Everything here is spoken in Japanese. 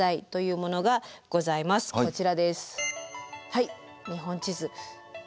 はい日本地図。